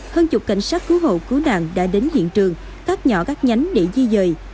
hơn chục cảnh sát cứu hộ cứu nạn đã đến hiện trường cắt nhỏ các nhánh để di dời